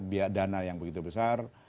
biaya dana yang begitu besar